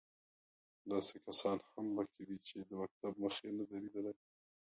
داسې کسان هم په کې دي چې د مکتب مخ یې نه دی لیدلی.